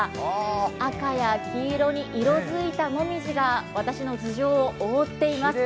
赤や黄色に色づいた紅葉が私の頭上を覆っています。